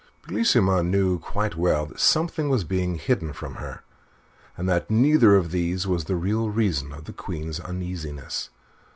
Bellissima knew quite well that something was being hidden from her and that neither of these was the real reason of the Queen's uneasiness.